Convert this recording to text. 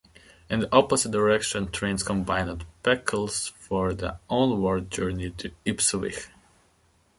In the opposite direction trains combined at Beccles for the onward journey to Ipswich.